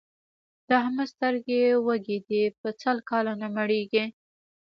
د احمد سترګې وږې دي؛ په سل کاله نه مړېږي.